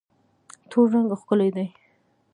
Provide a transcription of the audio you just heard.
تور رنګ ښکلی دی.